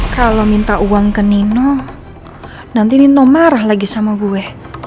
kalau minta uang ke nino nanti nino marah lagi sama gue